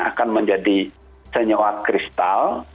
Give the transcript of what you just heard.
akan menjadi senyawa kristal